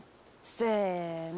せの。